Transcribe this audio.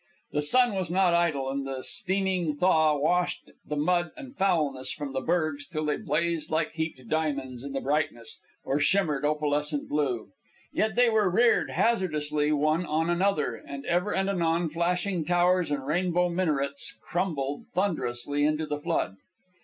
The sun was not idle, and the steaming thaw washed the mud and foulness from the bergs till they blazed like heaped diamonds in the brightness, or shimmered opalescent blue. Yet they were reared hazardously one on another, and ever and anon flashing towers and rainbow minarets crumbled thunderously into the flood.